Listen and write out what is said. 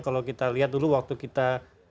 kalau kita lihat dulu waktu kita